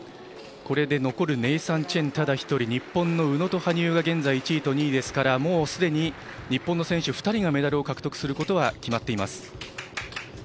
これで残るネイサン・チェンただ１人、日本の宇野と羽生が現在、１位と２位ですからもう既に日本の選手２人がメダルを獲得することは決まっています。